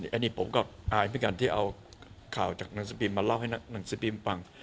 อันนี้ผมก็อายไม่กันที่เอาข่าวจากนางสมพิมมาเล่าให้นางสมพิมฟัง